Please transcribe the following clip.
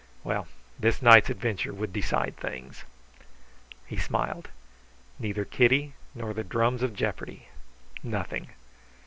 Well, this night's adventure would decide things. He smiled. Neither Kitty nor the drums of jeopardy; nothing.